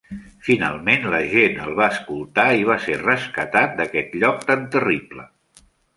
Finalment la gent el va escoltar i va ser rescatat d'aquest lloc tan terrible.